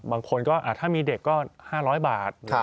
บางคนก็ถ้ามีเด็กก็๕๐๐บาท